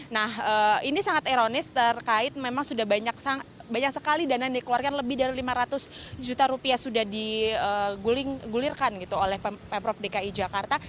nah ini sangat ironis terkait memang sudah banyak sekali dana yang dikeluarkan lebih dari lima ratus juta rupiah sudah digulirkan gitu oleh pemprov dki jakarta